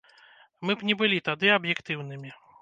Мы б не былі тады аб'ектыўнымі.